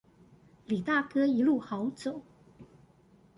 李大哥一路好走